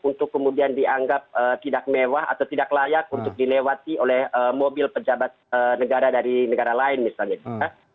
untuk kemudian dianggap tidak mewah atau tidak layak untuk dilewati oleh mobil pejabat negara dari negara lain misalnya gitu ya